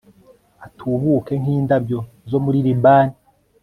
atubuke nk'indabyo zo muri libani